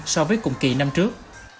so với cùng kỳ năm trước